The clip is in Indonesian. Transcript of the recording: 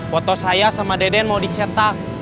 foto saya sama deden mau dicetak